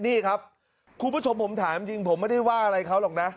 นี่ครับคุณผู้ชมผมถามจริงผมไม่ได้ว่าอะไรเขาหรอกนะ